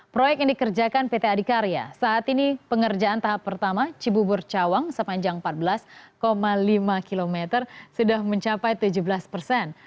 proyek yang dikerjakan pt adhikarya saat ini pengerjaan tahap pertama cibubur cawang sepanjang empat belas lima km sudah mencapai tujuh belas persen